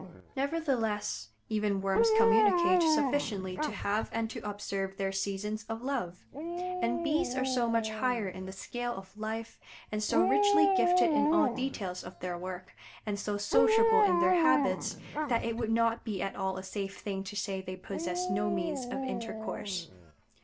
Nevertheless even Worms communicate sufficiently to have and to observe their seasons of love; and Bees are so much higher in the scale of life, and so richly gifted in all details of their work, and so sociable in their habits, that it would not be at all a safe thing to say they possess no means of intercourse.